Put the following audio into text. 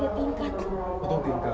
ya untung aja punya tingkat